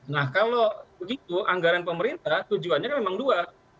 nah kalau begitu anggaran pemerintah tujuannya kan memang dua